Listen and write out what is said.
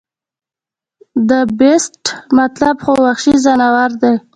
د The Beast مطلب خو وحشي ځناور دے